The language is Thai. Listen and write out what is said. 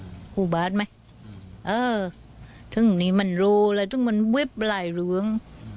ใช่ผูบาดไหมเออมันโรคเลยมันไหนล้าง